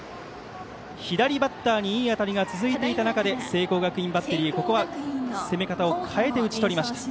左バッターにいい当たりが続いていた中で聖光学院バッテリー攻め方を変えて打ち取りました。